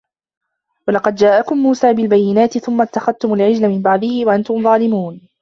وَلَقَدْ جَاءَكُمْ مُوسَىٰ بِالْبَيِّنَاتِ ثُمَّ اتَّخَذْتُمُ الْعِجْلَ مِنْ بَعْدِهِ وَأَنْتُمْ ظَالِمُونَ